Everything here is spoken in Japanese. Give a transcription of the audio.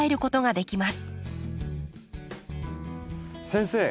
先生